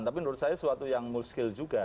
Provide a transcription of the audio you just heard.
tapi menurut saya suatu yang muskil juga